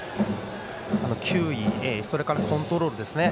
球威、それからコントロールですね。